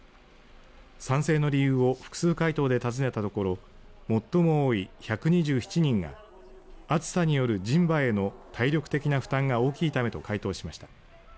賛成の理由を複数回答で尋ねたところ最も多い１２７人が暑さによる人馬への体力的な負担が多い大きいためと回答しました。